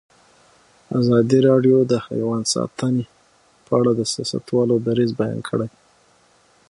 ازادي راډیو د حیوان ساتنه په اړه د سیاستوالو دریځ بیان کړی.